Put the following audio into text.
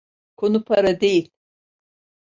Konu para değil.